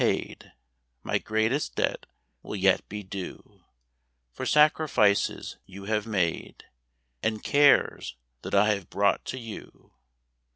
'* 7^0 My greatest debt will yet be due For sacrifices you bave made And cares that I have brought to you.